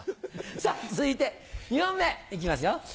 さぁ続いて２問目いきますよ。